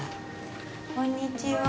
こんにちは。